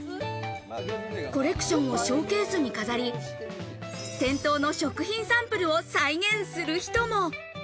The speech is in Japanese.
コレクションをショーケースに飾り、店頭の食品サンプルを再現する人も。